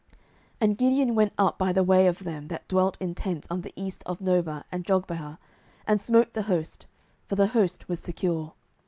07:008:011 And Gideon went up by the way of them that dwelt in tents on the east of Nobah and Jogbehah, and smote the host; for the host was secure.